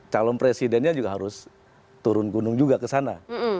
calon presidennya juga harus turun gunung juga ke sana